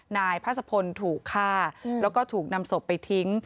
นายพาสะพนษ์ถูกฆ่าและก็ถูกนำศพไปทิ้ง